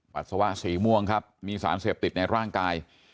ปัสสาวะสีม่วงครับมีสารเสพติดในร่างกาย